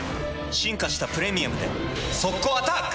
進化した「プレミアム」で速攻アタック！